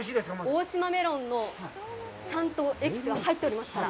大島メロンのちゃんとエキスが入っておりますから。